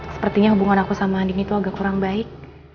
sepertinya hubungan aku sama andik itu agak kurang baik